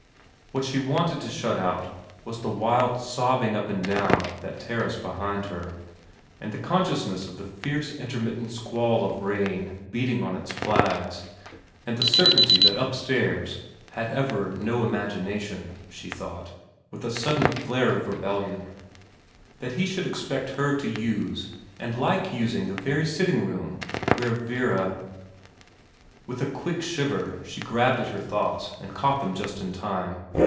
What she wanted to shut out was the wiod sobbing up and down that terrace behind her, and the consciousness of the fierce intermittent squalls of rain beating on its flags, and the certainty that up stairs Had Everard no imagination, she thought, 202 VERA with a sudden flare of rebellion, that he should expect her to use and to like using the very sitting room where Vera With a quick shiver she grabbed at her thoughts and caught them just in time.